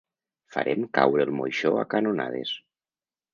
Farem caure el moixó a canonades.